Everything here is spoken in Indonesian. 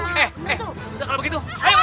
ntar kalau begitu